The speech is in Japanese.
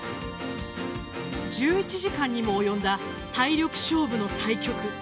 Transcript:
１１時間にも及んだ体力勝負の対局。